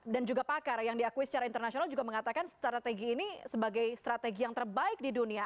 dan juga pakar yang diakui secara internasional juga mengatakan strategi ini sebagai strategi yang terbaik di dunia